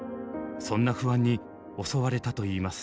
そんな不安に襲われたと言います。